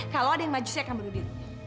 kalau ada yang maju saya akan berunding